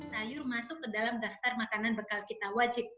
sayur masuk ke dalam daftar makanan bekal kita wajib